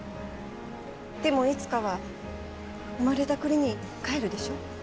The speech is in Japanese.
でも、いつかは生まれた国に帰るでしょ？